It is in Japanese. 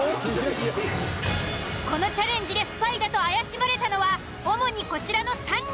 このチャレンジでスパイだと怪しまれたのは主にこちらの３人。